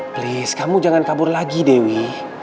please kamu jangan kabur lagi dewi